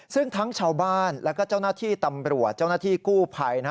ซึ่งทั้งชาวบ้านแล้วก็เจ้าหน้าที่ตำรวจเจ้าหน้าที่กู้ภัย